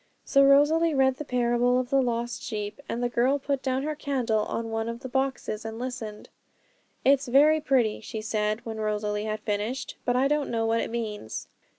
So Rosalie read the parable of the Lost Sheep; and the girl put down her candle on one of the boxes and listened. 'It's very pretty,' she said, when Rosalie had finished, 'but I don't know what it means.'